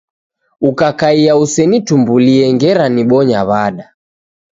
Ukakaia usenitumbulie ngera nibonya wa'da